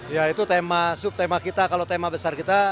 ya itu tema subtema kita kalau tema besar kita